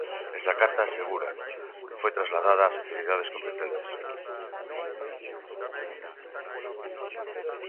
Esa carta, asegura, foi trasladada "ás autoridades competentes".